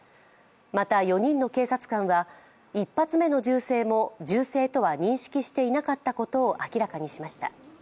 また、４人の警察官は１発目の銃声も銃声とは認識していなかったことを明らかにしました。